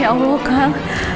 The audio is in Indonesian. ya allah kak